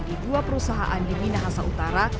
di dua perusahaan di minahasa utara